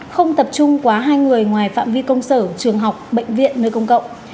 không tập trung quá hai người ngoài phạm vi công sở trường học bệnh viện nơi công cộng